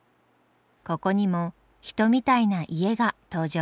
ここにも人みたいな家が登場します。